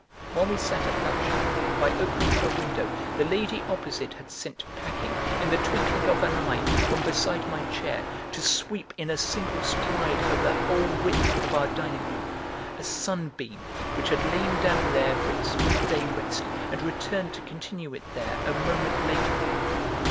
While we sat at luncheon, by opening her window, the lady opposite had sent packing, in the twinkling of an eye, from beside my chair to sweep in a single stride over the whole width of our dining room a sunbeam which had lain down there for its midday rest and returned to continue it there a moment later.